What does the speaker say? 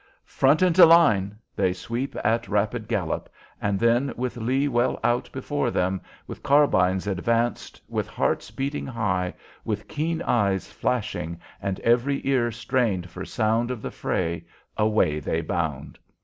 "Front into line" they sweep at rapid gallop, and then, with Lee well out before them, with carbines advanced, with hearts beating high, with keen eyes flashing, and every ear strained for sound of the fray, away they bound.